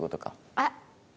あっ！